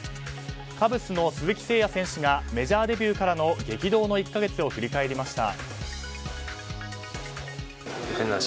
カブスの鈴木誠也選手がメジャーデビューからの激動の１か月を振り返りました。